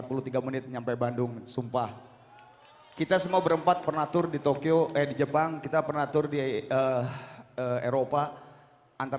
tuhan yang terhampa tuhan kuat